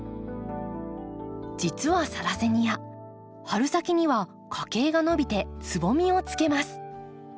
実はサラセニア春先には花茎が伸びてつぼみをつけます。